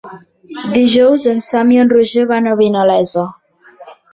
Dijous en Sam i en Roger van a Vinalesa.